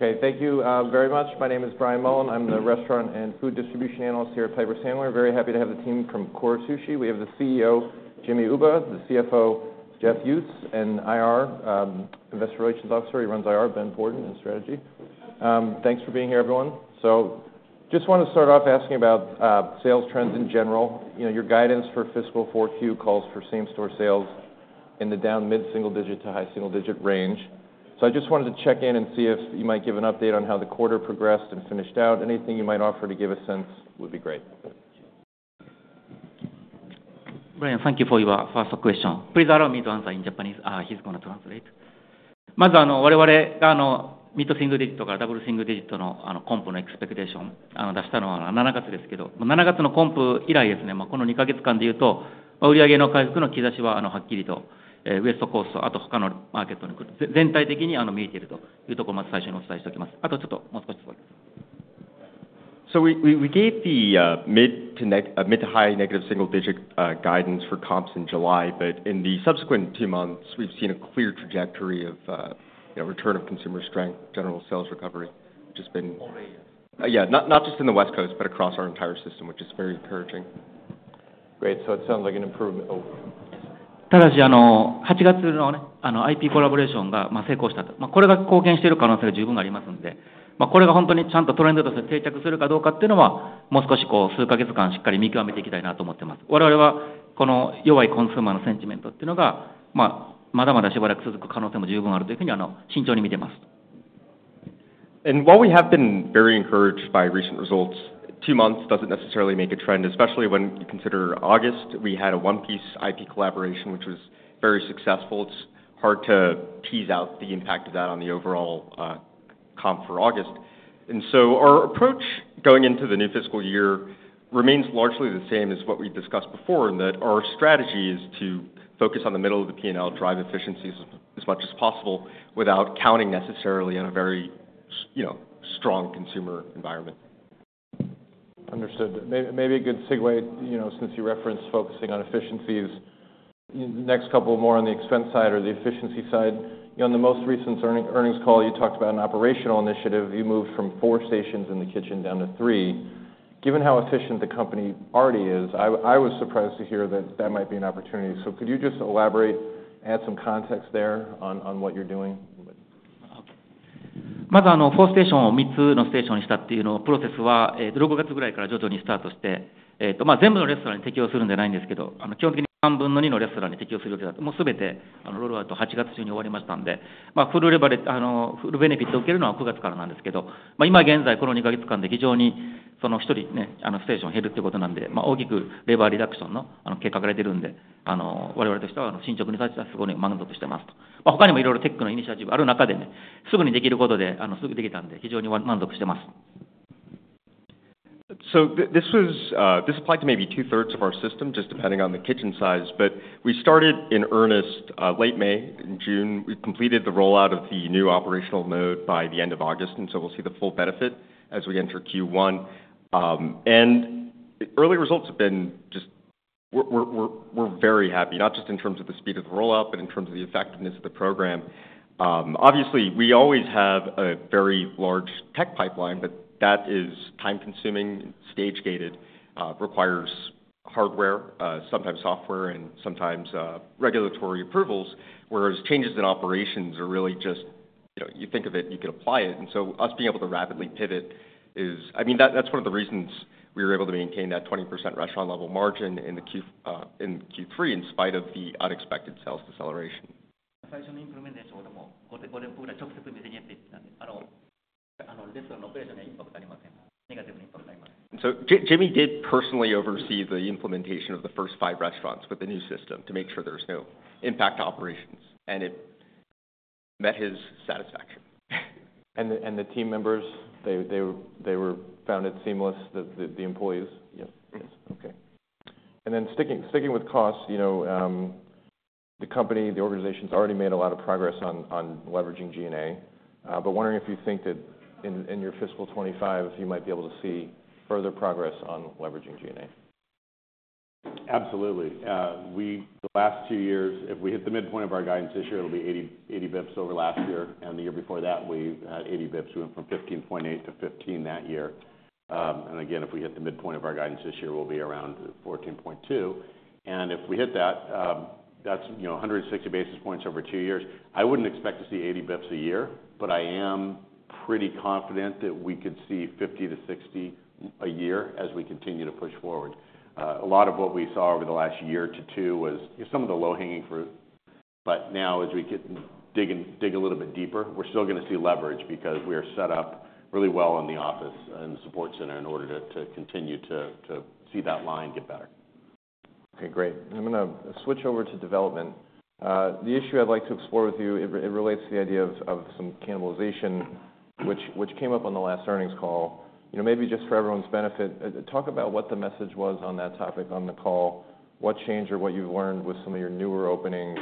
Okay, thank you, very much. My name is Brian Mullan. I'm the restaurant and food distribution analyst here at Piper Sandler. Very happy to have the team from Kura Sushi. We have the CEO, Jimmy Uba, the CFO, Jeff Uttz, and IR, Investor Relations Officer, he runs IR, Ben Porten, and strategy. Thanks for being here, everyone. So just want to start off asking about, sales trends in general. You know, your guidance for fiscal 4Q calls for same store sales in the down mid-single digit to high single digit range. So I just wanted to check in and see if you might give an update on how the quarter progressed and finished out. Anything you might offer to give a sense would be great. Brian, thank you for your first question. Please allow me to answer in Japanese. He's gonna translate. So we gave the mid to high negative single digit guidance for comps in July, but in the subsequent two months, we've seen a clear trajectory of, you know, return of consumer strength, general sales recovery, which has been- Only- Yeah, not, not just in the West Coast, but across our entire system, which is very encouraging. Great. So it sounds like an improvement. Oh. While we have been very encouraged by recent results, two months doesn't necessarily make a trend, especially when you consider August. We had a One Piece IP collaboration, which was very successful. It's hard to tease out the impact of that on the overall comp for August. Our approach going into the new fiscal year remains largely the same as what we discussed before, in that our strategy is to focus on the middle of the P&L, drive efficiencies as much as possible, without counting necessarily on a very, you know, strong consumer environment. Understood. Maybe a good segue, you know, since you referenced focusing on efficiencies. Next couple of more on the expense side or the efficiency side. On the most recent earnings call, you talked about an operational initiative. You moved from four stations in the kitchen down to three. Given how efficient the company already is, I was surprised to hear that that might be an opportunity. So could you just elaborate, add some context there on what you're doing? This was this applied to maybe 2/3 of our system, just depending on the kitchen size. But we started in earnest late May. In June, we completed the rollout of the new operational mode by the end of August, and so we'll see the full benefit as we enter Q1. And early results have been just... We're very happy, not just in terms of the speed of the rollout, but in terms of the effectiveness of the program. Obviously, we always have a very large tech pipeline, but that is time-consuming, stage-gated, requires hardware, sometimes software, and sometimes regulatory approvals, whereas changes in operations are really just, you know, you can think of it, you can apply it. And so us being able to rapidly pivot is, I mean, that, that's one of the reasons we were able to maintain that 20% restaurant level margin in Q3, in spite of the unexpected sales deceleration. So Jimmy did personally oversee the implementation of the first five restaurants with the new system to make sure there was no impact to operations, and it met his satisfaction. The team members, they found it seamless, the employees? Yes. Okay. And then sticking with costs, you know, the company, the organization's already made a lot of progress on leveraging G&A. But wondering if you think that in your fiscal 2025, you might be able to see further progress on leveraging G&A? Absolutely. We the last two years, if we hit the midpoint of our guidance this year, it'll be 80 basis points over last year, and the year before that, we had 80 basis points. We went from 15.8-15 that year. And again, if we hit the midpoint of our guidance this year, we'll be around 14.2. And if we hit that, that's, you know, 160 basis points over two years. I wouldn't expect to see 80 basis points a year, but I am pretty confident that we could see 50-60 basis points a year as we continue to push forward. A lot of what we saw over the last year to two was some of the low-hanging fruit, but now as we dig a little bit deeper, we're still gonna see leverage because we are set up really well in the office and support center in order to continue to see that line get better. Okay, great. I'm gonna switch over to development. The issue I'd like to explore with you, it relates to the idea of some cannibalization, which came up on the last earnings call. You know, maybe just for everyone's benefit, talk about what the message was on that topic, on the call, what changed or what you've learned with some of your newer openings,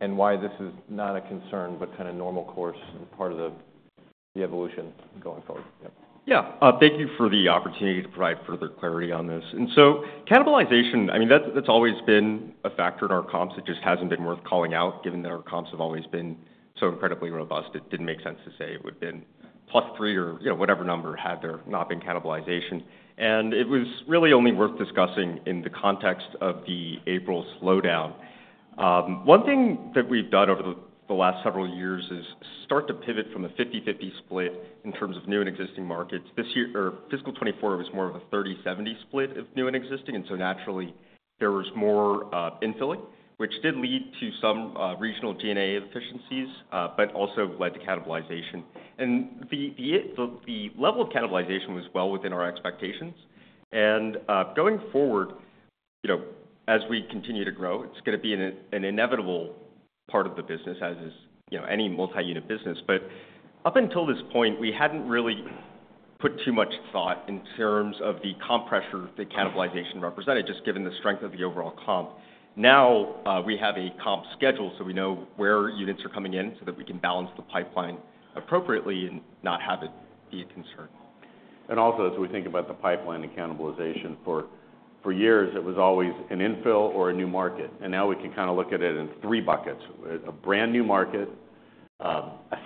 and why this is not a concern, but kind of normal course and part of the evolution going forward? Yep.... Yeah, thank you for the opportunity to provide further clarity on this. And so cannibalization, I mean, that's always been a factor in our comps. It just hasn't been worth calling out, given that our comps have always been so incredibly robust. It didn't make sense to say it would have been +3 or, you know, whatever number had there not been cannibalization. And it was really only worth discussing in the context of the April slowdown. One thing that we've done over the last several years is start to pivot from a 50/50 split in terms of new and existing markets. This year - or fiscal 2024, it was more of a 30/70 split of new and existing, and so naturally, there was more infilling, which did lead to some regional DMA efficiencies, but also led to cannibalization. And the level of cannibalization was well within our expectations. And, going forward, you know, as we continue to grow, it's gonna be an inevitable part of the business, as is, you know, any multi-unit business. But up until this point, we hadn't really put too much thought in terms of the comp pressure that cannibalization represented, just given the strength of the overall comp. Now, we have a comp schedule, so we know where units are coming in so that we can balance the pipeline appropriately and not have it be a concern. And also, as we think about the pipeline and cannibalization, for years, it was always an infill or a new market, and now we can kind of look at it in three buckets: a brand new market, a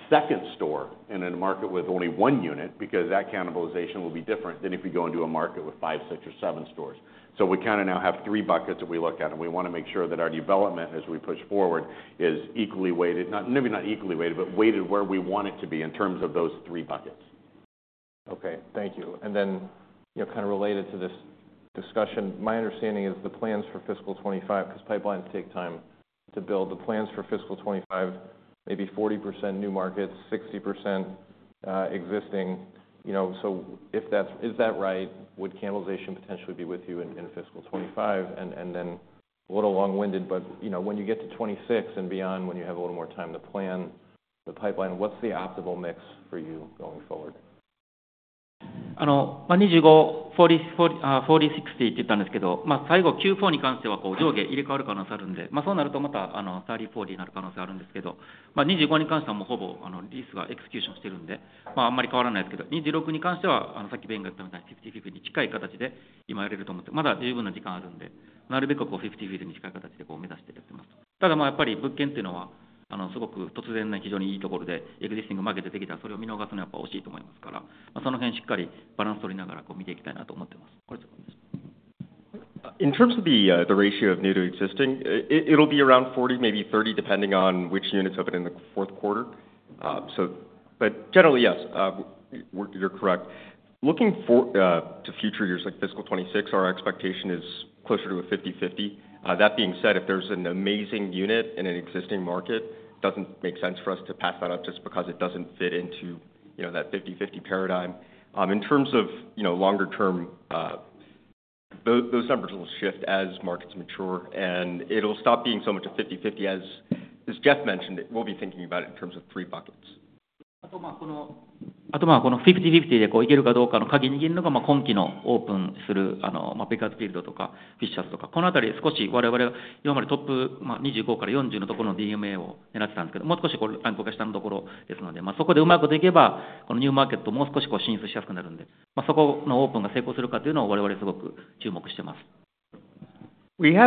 second store in a market with only one unit, because that cannibalization will be different than if you go into a market with five, six, or seven stores. So we kind of now have three buckets that we look at, and we want to make sure that our development as we push forward is equally weighted, not, maybe not equally weighted, but weighted where we want it to be in terms of those three buckets. Okay, thank you. And then, you know, kind of related to this discussion, my understanding is the plans for fiscal 2025, because pipelines take time to build, maybe 40% new markets, 60% existing. You know, so if that's? Is that right? Would cannibalization potentially be with you in fiscal 2025? And then a little long-winded, but, you know, when you get to 2026 and beyond, when you have a little more time to plan the pipeline, what's the optimal mix for you going forward? In terms of the ratio of new to existing, it will be around 40, maybe 30, depending on which units open in the fourth quarter. But generally, yes, you are correct. Looking to future years like fiscal 2026, our expectation is closer to a 50/50. That being said, if there is an amazing unit in an existing market, it does not make sense for us to pass that up just because it does not fit into, you know, that 50/50 paradigm. In terms of, you know, longer term, those numbers will shift as markets mature, and it will stop being so much a 50/50. As Jeff mentioned, we will be thinking about it in terms of 3 buckets. We have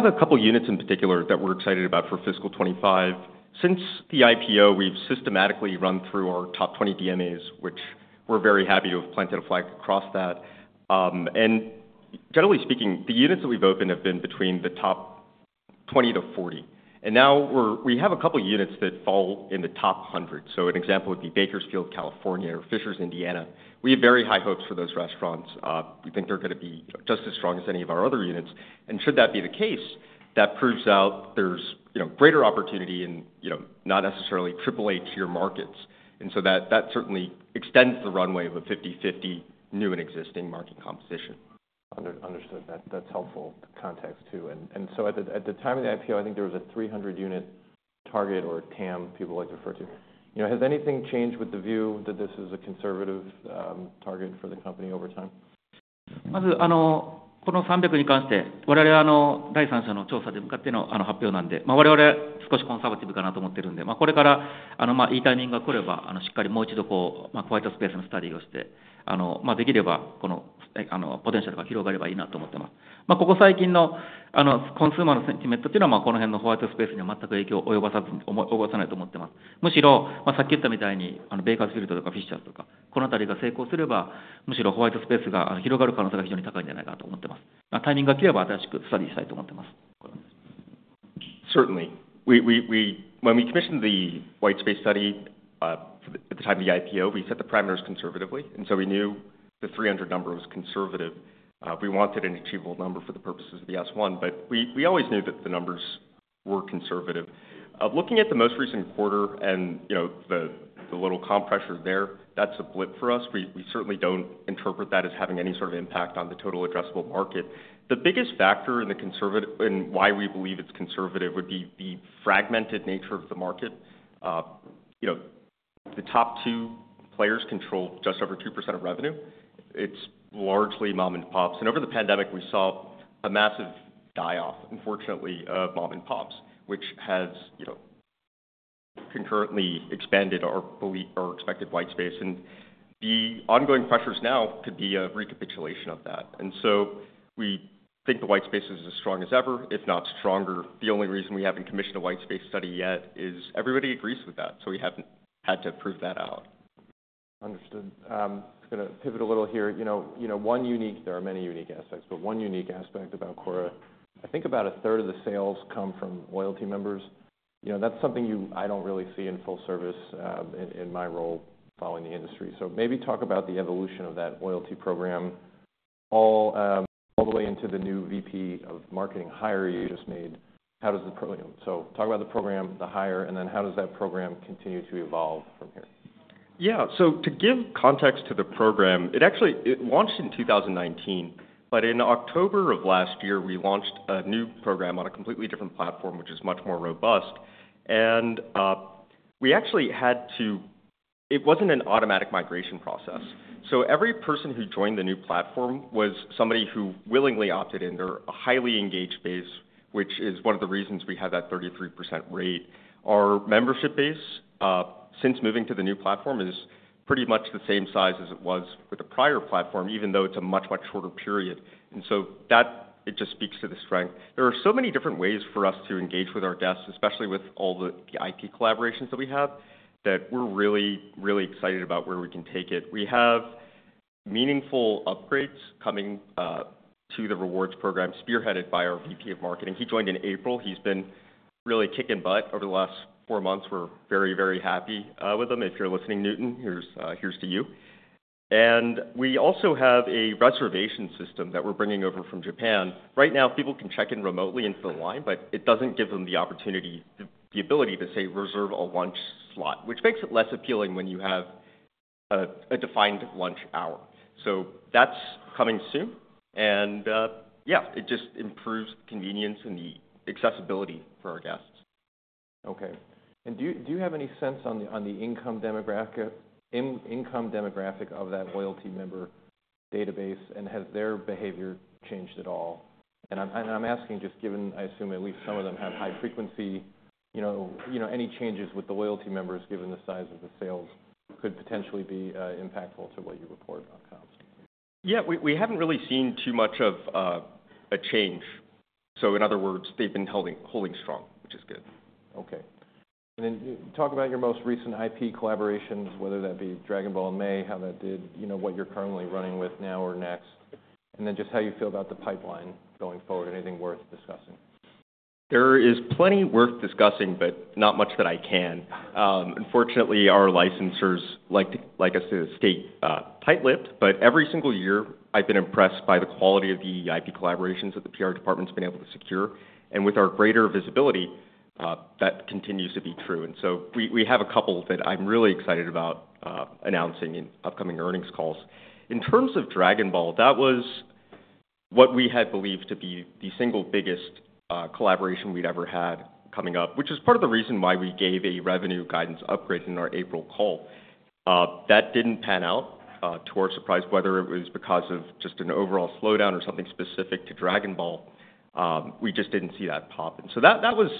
a couple units in particular that we are excited about for fiscal 2025. Since the IPO, we've systematically run through our top 20 DMAs, which we're very happy to have planted a flag across that. And generally speaking, the units that we've opened have been between the top 20-40, and now we have a couple units that fall in the top 100. So an example would be Bakersfield, California, or Fishers, Indiana. We have very high hopes for those restaurants. We think they're gonna be just as strong as any of our other units. And should that be the case, that proves out there's, you know, greater opportunity and, you know, not necessarily triple A tier markets. And so that certainly extends the runway of a 50/50 new and existing market composition. Understood. That's helpful context, too. And so at the time of the IPO, I think there was a 300-unit target or TAM people like to refer to. You know, has anything changed with the view that this is a conservative target for the company over time? Certainly, we, when we commissioned the white space study, at the time of the IPO, we set the parameters conservatively, and so we knew the 300 number was conservative. We wanted an achievable number for the purposes of the S-1, but we always knew that the numbers were conservative. Looking at the most recent quarter and, you know, the little comp pressure there, that's a blip for us. We certainly don't interpret that as having any sort of impact on the total addressable market. The biggest factor in the conservative, in why we believe it's conservative, would be the fragmented nature of the market. You know, the top two players control just over 2% of revenue. It's largely mom-and-pops, and over the pandemic, we saw a massive die off, unfortunately, of mom-and-pops, which has, you know-... Concurrently expanded our belief, our expected white space, and the ongoing pressures now could be a recapitulation of that, and so we think the white space is as strong as ever, if not stronger. The only reason we haven't commissioned a white space study yet is everybody agrees with that, so we haven't had to prove that out. Understood. Just gonna pivot a little here. You know, one unique aspect about Kura. There are many unique aspects, but one unique aspect about Kura. I think about a third of the sales come from loyalty members. You know, that's something you don't really see in full service in my role following the industry. So maybe talk about the evolution of that loyalty program all the way into the new VP of marketing hire you just made. How does the program... So talk about the program, the hire, and then how does that program continue to evolve from here? Yeah. So to give context to the program, it actually launched in 2019, but in October of last year, we launched a new program on a completely different platform, which is much more robust. And it wasn't an automatic migration process. So every person who joined the new platform was somebody who willingly opted in. They're a highly engaged base, which is one of the reasons we had that 33% rate. Our membership base, since moving to the new platform, is pretty much the same size as it was with the prior platform, even though it's a much, much shorter period. And so that, it just speaks to the strength. There are so many different ways for us to engage with our guests, especially with all the IP collaborations that we have, that we're really, really excited about where we can take it. We have meaningful upgrades coming to the rewards program, spearheaded by our VP of marketing. He joined in April. He's been really kicking butt over the last four months. We're very, very happy with him. If you're listening, Newton, here's to you. And we also have a reservation system that we're bringing over from Japan. Right now, people can check in remotely and fill a line, but it doesn't give them the opportunity, the ability to, say, reserve a lunch slot, which makes it less appealing when you have a defined lunch hour. So that's coming soon, and yeah, it just improves convenience and the accessibility for our guests. Okay. And do you have any sense on the income demographic of that loyalty member database, and has their behavior changed at all? And I'm asking, just given, I assume at least some of them have high frequency, you know, any changes with the loyalty members, given the size of the sales, could potentially be impactful to what you report on comps. Yeah, we haven't really seen too much of a change. So in other words, they've been holding strong, which is good. Okay. And then talk about your most recent IP collaborations, whether that be Dragon Ball in May, how that did, you know, what you're currently running with now or next, and then just how you feel about the pipeline going forward, anything worth discussing? There is plenty worth discussing, but not much that I can. Unfortunately, our licensors like to, like I said, stay tight-lipped, but every single year, I've been impressed by the quality of the IP collaborations that the PR department's been able to secure. And with our greater visibility, that continues to be true. And so we have a couple that I'm really excited about announcing in upcoming earnings calls. In terms of Dragon Ball, that was what we had believed to be the single biggest collaboration we'd ever had coming up, which is part of the reason why we gave a revenue guidance upgrade in our April call. That didn't pan out to our surprise, whether it was because of just an overall slowdown or something specific to Dragon Ball, we just didn't see that pop. That was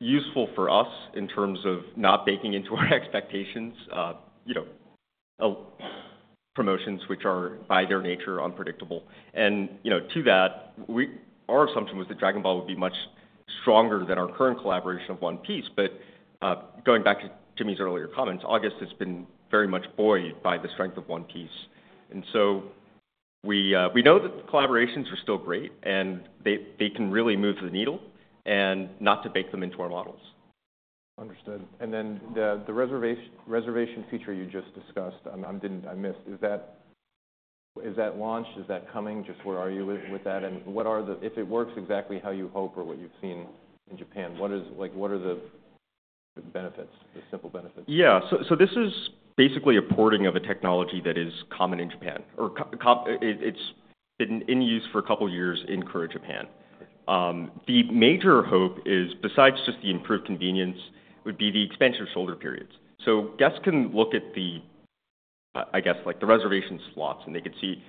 useful for us in terms of not baking into our expectations, you know, promotions which are, by their nature, unpredictable. To that, our assumption was that Dragon Ball would be much stronger than our current collaboration of One Piece. Going back to Jimmy's earlier comments, August has been very much buoyed by the strength of One Piece. We know that the collaborations are still great, and they can really move the needle and not to bake them into our models. Understood. And then the reservation feature you just discussed, I didn't... I missed. Is that, is that launched? Is that coming? Just where are you with that, and what are the-- If it works exactly how you hope or what you've seen in Japan, what is... Like, what are the benefits, the simple benefits? Yeah. So this is basically a porting of a technology that is common in Japan. Or it, it's been in use for a couple of years in Kura Japan. The major hope is, besides just the improved convenience, would be the expansion of shoulder periods. So guests can look at the, I guess, like, the reservation slots, and they could see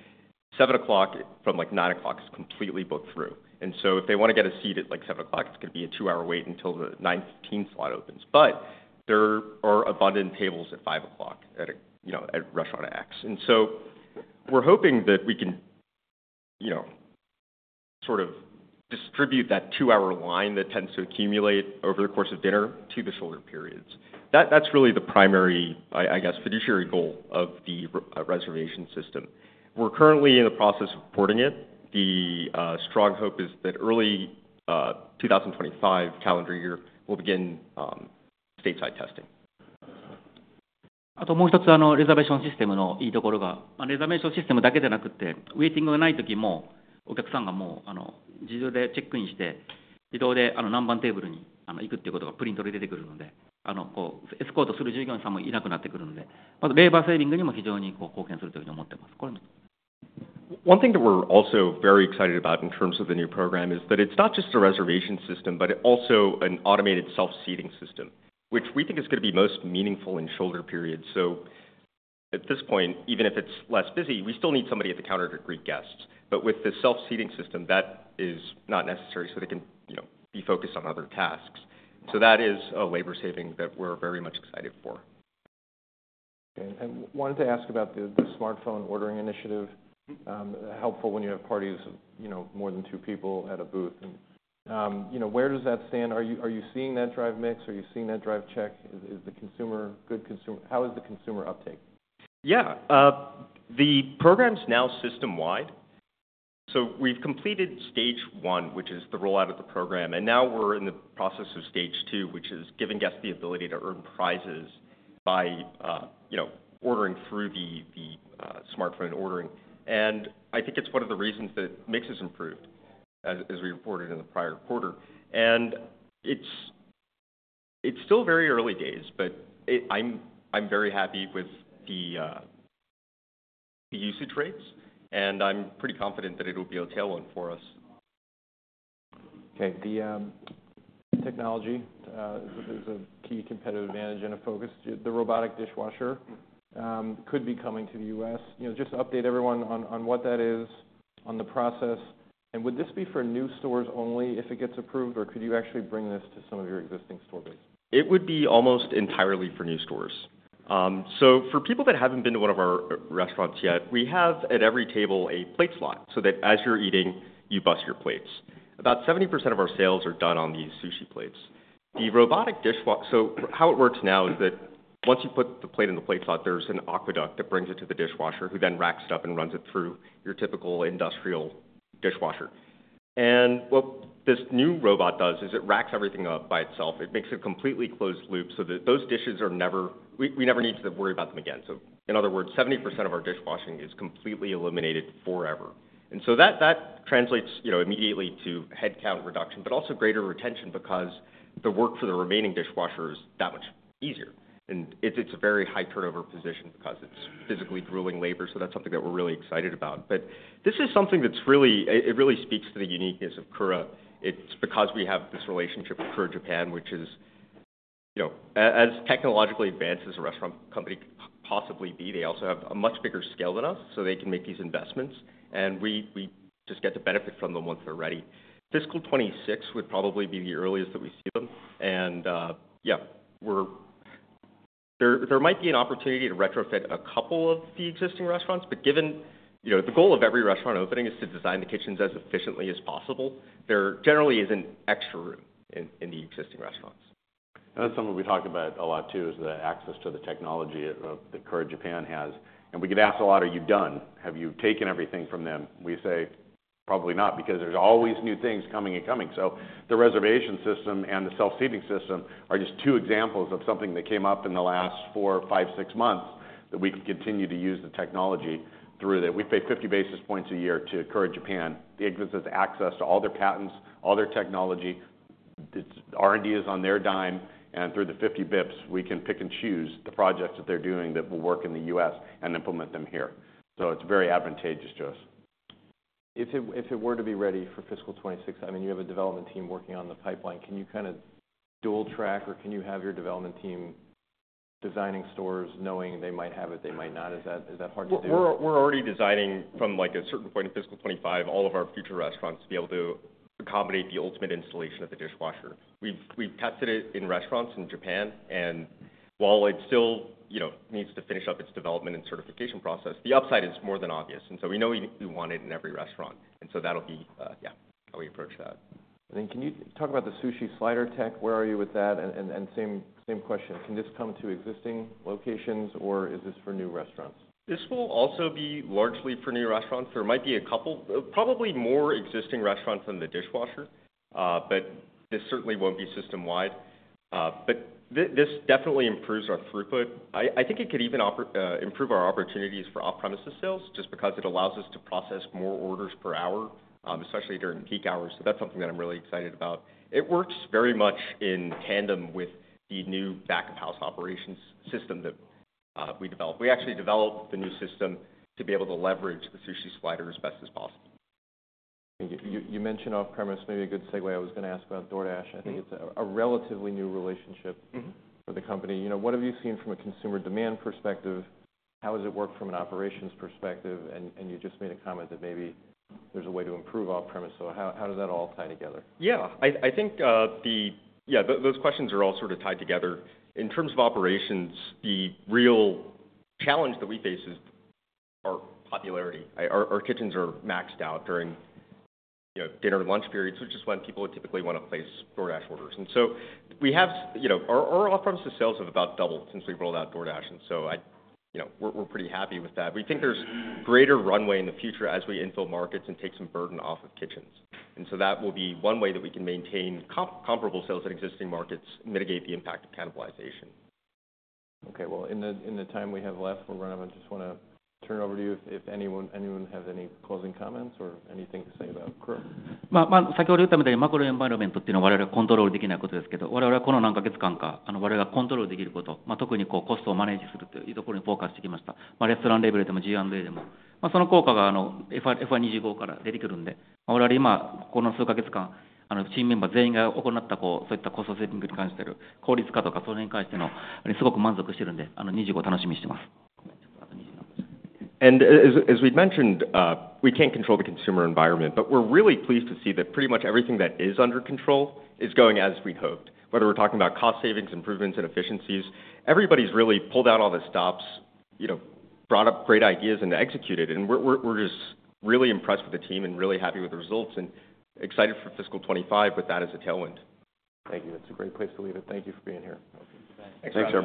7:00 P.M. from, like, 9:00 P.M. is completely booked through. And so if they wanna get a seat at, like, 7:00 P.M., it's gonna be a two-hour wait until the 9:15 P.M. slot opens. But there are abundant tables at 5:00 P.M. at, you know, at restaurant X. And so we're hoping that we can, you know, sort of distribute that two-hour line that tends to accumulate over the course of dinner to the shoulder periods. That, that's really the primary, I guess, fiduciary goal of the reservation system. We're currently in the process of porting it. The strong hope is that early 2025 calendar year, we'll begin statewide testing. One thing that we're also very excited about in terms of the new program is that it's not just a reservation system, but it also an automated self-seating system, which we think is gonna be most meaningful in shoulder periods. So at this point, even if it's less busy, we still need somebody at the counter to greet guests. But with the self-seating system, that is not necessary, so they can, you know, be focused on other tasks. So that is a labor saving that we're very much excited for. Wanted to ask about the smartphone ordering initiative. Helpful when you have parties, you know, more than two people at a booth. You know, where does that stand? Are you seeing that drive mix? Are you seeing that drive check? How is the consumer uptake? Yeah. The program's now system-wide. So we've completed stage one, which is the rollout of the program, and now we're in the process of stage two, which is giving guests the ability to earn prizes by, you know, ordering through the smartphone ordering. And I think it's one of the reasons that mix has improved, as we reported in the prior quarter. And it's still very early days, but I'm very happy with the usage rates, and I'm pretty confident that it'll be a tailwind for us. Okay. The technology is a key competitive advantage and a focus. The robotic dishwasher could be coming to the U.S. You know, just update everyone on what that is, on the process, and would this be for new stores only if it gets approved, or could you actually bring this to some of your existing store base? It would be almost entirely for new stores. For people that haven't been to one of our restaurants yet, we have, at every table, a plate slot, so that as you're eating, you bus your plates. About 70% of our sales are done on these sushi plates. So how it works now is that once you put the plate in the plate slot, there's an aqueduct that brings it to the dishwasher, who then racks it up and runs it through your typical industrial dishwasher. And what this new robot does is it racks everything up by itself. It makes a completely closed loop so that those dishes are never... We never need to worry about them again. So in other words, 70% of our dishwashing is completely eliminated forever. And so that, that translates, you know, immediately to headcount reduction, but also greater retention because the work for the remaining dishwasher is that much easier. And it's a very high turnover position because it's physically grueling labor, so that's something that we're really excited about. But this is something that's really. It really speaks to the uniqueness of Kura. It's because we have this relationship with Kura Japan, which is, you know, as technologically advanced as a restaurant company could possibly be. They also have a much bigger scale than us, so they can make these investments, and we just get to benefit from them once they're ready. Fiscal 2026 would probably be the earliest that we see them, and yeah, we're. There might be an opportunity to retrofit a couple of the existing restaurants, but given, you know, the goal of every restaurant opening is to design the kitchens as efficiently as possible, there generally isn't extra room in the existing restaurants. That's something we talk about a lot, too, is the access to the technology of, that Kura Japan has. And we get asked a lot, "Are you done? Have you taken everything from them?" We say, "Probably not," because there's always new things coming and coming. So the reservation system and the self-seating system are just two examples of something that came up in the last four, five, six months, that we continue to use the technology through that. We pay 50 basis points a year to Kura Japan. It gives us access to all their patents, all their technology. It's. R&D is on their dime, and through the 50 basis points, we can pick and choose the projects that they're doing that will work in the U.S. and implement them here. So it's very advantageous to us. If it were to be ready for fiscal 2026, I mean, you have a development team working on the pipeline, can you kind of dual track, or can you have your development team designing stores, knowing they might have it, they might not? Is that hard to do? We're already designing from, like, a certain point in fiscal 2025, all of our future restaurants to be able to accommodate the ultimate installation of the dishwasher. We've tested it in restaurants in Japan, and while it still, you know, needs to finish up its development and certification process, the upside is more than obvious, and so we know we want it in every restaurant, and so that'll be, yeah, how we approach that. And then, can you talk about the sushi slider tech? Where are you with that? And same question: Can this come to existing locations, or is this for new restaurants? This will also be largely for new restaurants. There might be a couple, probably more existing restaurants than the dishwasher, but this certainly won't be system-wide, but this definitely improves our throughput. I think it could even improve our opportunities for off-premises sales, just because it allows us to process more orders per hour, especially during peak hours, so that's something that I'm really excited about. It works very much in tandem with the new back-of-house operations system that we developed. We actually developed the new system to be able to leverage the sushi slider as best as possible. You mentioned off-premise, maybe a good segue. I was gonna ask about DoorDash. Mm-hmm. I think it's a relatively new relationship- Mm-hmm. For the company. You know, what have you seen from a consumer demand perspective? How has it worked from an operations perspective? And you just made a comment that maybe there's a way to improve off-premise, so how does that all tie together? Yeah. I think those questions are all sort of tied together. In terms of operations, the real challenge that we face is our popularity. Our kitchens are maxed out during, you know, dinner and lunch periods, which is when people would typically want to place DoorDash orders. And so we have, you know, our off-premises sales have about doubled since we rolled out DoorDash, and so, you know, we're pretty happy with that. We think there's greater runway in the future as we infill markets and take some burden off of kitchens. And so that will be one way that we can maintain comparable sales at existing markets and mitigate the impact of cannibalization. Okay. Well, in the time we have left, we're gonna just wanna turn it over to you if anyone has any closing comments or anything to say about Kura? As we've mentioned, we can't control the consumer environment, but we're really pleased to see that pretty much everything that is under control is going as we hoped. Whether we're talking about cost savings, improvements, and efficiencies, everybody's really pulled out all the stops, you know, brought up great ideas and executed. We're just really impressed with the team and really happy with the results, and excited for fiscal 2025 with that as a tailwind. Thank you. That's a great place to leave it. Thank you for being here. Thanks, everyone.